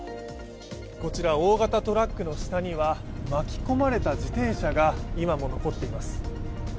こちら大型トラックの下には巻き込まれた自転車が今も残っています。